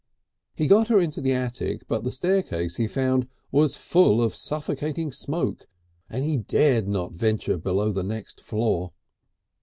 He got her into the attic, but the staircase, he found, was full of suffocating smoke, and he dared not venture below the next floor.